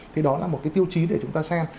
thì đó là một cái tiêu chí để chúng ta xem